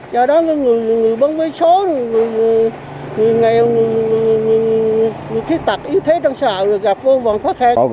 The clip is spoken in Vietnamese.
do đó người bán vé số người nghèo người khí tạc y thế trong xã hội gặp vấn khó khăn